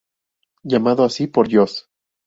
Llamado así por Jos.